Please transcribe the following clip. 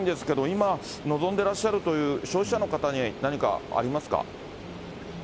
今望んでらっしゃるという消費者の方に、何かありますか？